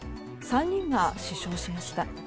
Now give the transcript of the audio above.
３人が死傷しました。